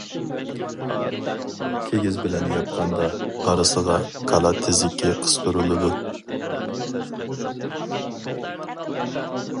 كىگىز بىلەن ياپقاندا ئارىسىغا كالا تېزىكى قىستۇرۇلىدۇ.